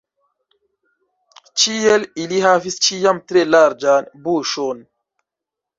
Ĉiel ili havis ĉiam tre larĝan buŝon.